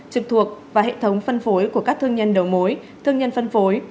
trực thuộc và hệ thống phân phối của các thương nhân đầu mối thương nhân phân phối